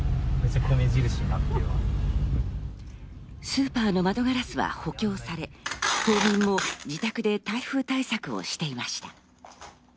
スーパーの窓ガラスは補強され、島民も補強対策をしていました。